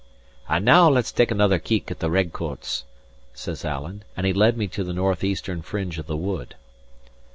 "And now let's take another keek at the red coats," says Alan, and he led me to the north eastern fringe of the wood.